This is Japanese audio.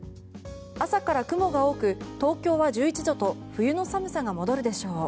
朝から雲が多く東京は１１度と冬の寒さが戻るでしょう。